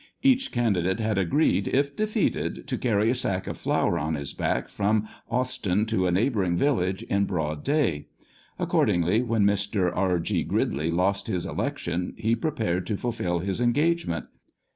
Each candidate had agreed, if defeated, to carry a sack of flour on his back from Austin to a neighbouring village in broad clay. Accord ingly, when Mr. II. G. Gridley lost his election, he prepared to fulfil his engagement.